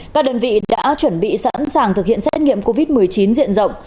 các đơn vị đã chuẩn bị sẵn sàng thực hiện xét nghiệm covid một mươi chín diện rộng